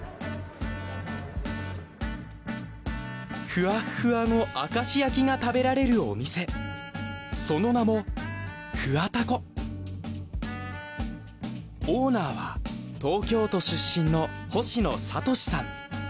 ふわふわの明石焼きが食べられるお店その名もオーナーは東京都出身の星野智さん。